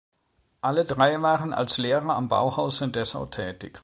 Alle drei waren als Lehrer am Bauhaus in Dessau tätig.